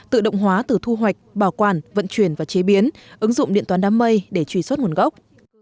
tự động hóa từ thu hoạch bảo quản vận chuyển và chế biến ứng dụng điện toán đám mây để truy xuất nguồn gốc